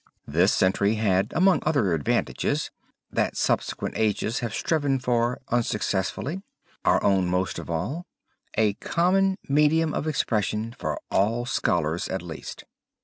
This century had among other advantages that subsequent ages have striven for unsuccessfully, our own most of all, a common medium of expression for all scholars at least.